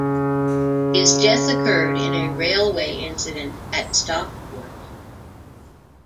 His death occurred in a railway incident at Stockport.